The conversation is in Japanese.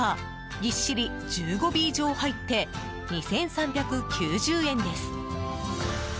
ぎっしり１５尾以上入って２３９０円です。